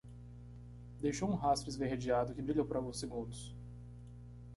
Deixou um rastro esverdeado que brilhou por alguns segundos.